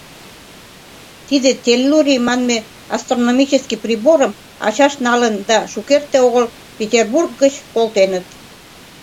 Тиде теллурий манме астрономический приборым ачашт налын да шукерте огыл Петербург гыч колтеныт.